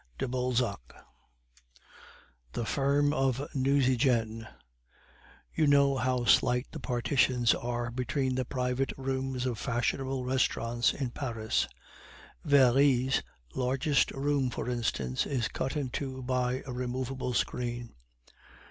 DE BALZAC. THE FIRM OF NUCINGEN You know how slight the partitions are between the private rooms of fashionable restaurants in Paris; Very's largest room, for instance, is cut in two by a removable screen.